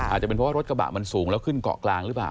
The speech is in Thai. อาจจะเป็นเพราะว่ารถกระบะมันสูงแล้วขึ้นเกาะกลางหรือเปล่า